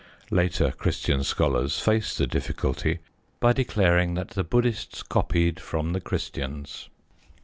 Later Christian scholars face the difficulty by declaring that the Buddhists copied from the Christians.